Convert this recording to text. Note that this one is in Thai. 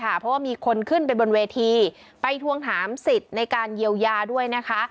เพราะว่ามีคนขึ้นไปบนเวทีไปทวงถามสิทธิ์ในการเยียวยาด้วยนะคะ